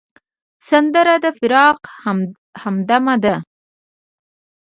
سندره د فراق همدمه ده